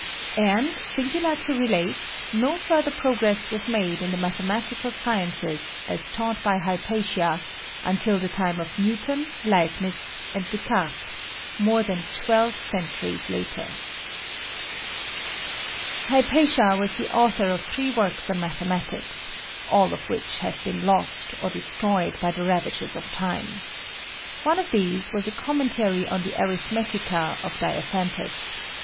And, singular to relate, no further progress was made in the mathematical sciences, as taught by Hypatia, until the time of Newton, Leibnitz and Descartes, more than twelve centuries later. Hypatia was the author of three works on mathematics, all of which have been lost, or destroyed by the ravages of time. One of these was a commentary on the Arithmetica of Diophantus.